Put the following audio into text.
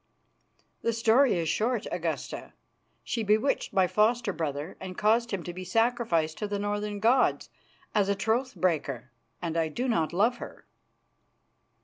"The story is short, Augusta. She bewitched my foster brother, and caused him to be sacrificed to the northern gods as a troth breaker, and I do not love her."